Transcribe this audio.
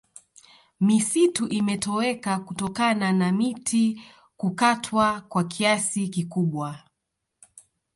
misitu imetoweka kutokana na miti kukatwa kwa kiasi kikubwa